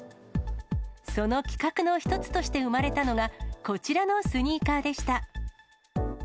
その企画の一つとして生まれたのが、こちらのスニーカーでした。